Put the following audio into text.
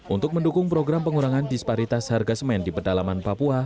untuk mendukung program pengurangan disparitas harga semen di pedalaman papua